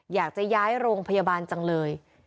อยากจะย้ายโรงพยาบาลจังเลย